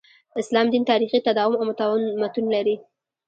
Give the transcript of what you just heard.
اسلام دین تاریخي تداوم او متون لري.